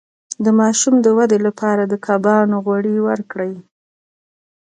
د ماشوم د ودې لپاره د کبانو غوړي ورکړئ